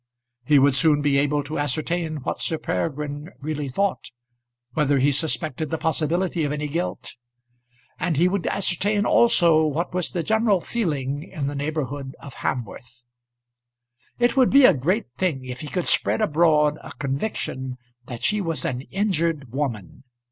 He would soon be able to ascertain what Sir Peregrine really thought whether he suspected the possibility of any guilt; and he would ascertain also what was the general feeling in the neighbourhood of Hamworth. It would be a great thing if he could spread abroad a conviction that she was an injured woman.